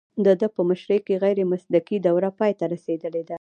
د ده په مشرۍ کې غیر مسلکي دوره پای ته رسیدلې ده